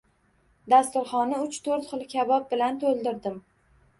Dasturxonni uch-to‘rt xil kabob bilan to‘ldirdim.